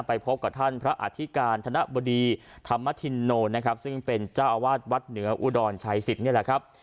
ไปพบกับท่านพระอธิการธนบดีธรรมธินโนนะครับซึ่งเป็นเจ้าอาวาสวัดเหนืออุดรชัยสิทธิ์นี่แหละครับ